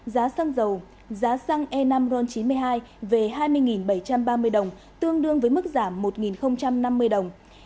giá xăng dầu giá xăng e năm ron chín mươi hai về hai mươi bảy trăm ba mươi đồng tương đương với mức giảm một năm mươi đồng